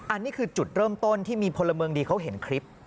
อันนี้คือจุดเริ่มต้นที่มีพลเมืองดีเขาเห็นคลิป